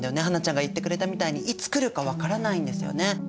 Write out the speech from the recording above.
英ちゃんが言ってくれたみたいにいつ来るか分からないんですよね。